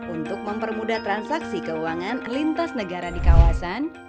untuk mempermudah transaksi keuangan lintas negara di kawasan